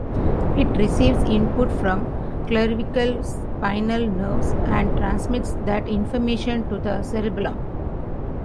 It receives input from cervical spinal nerves and transmits that information to the cerebellum.